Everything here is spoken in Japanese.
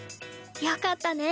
よかったね。